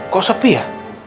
kok sepi ya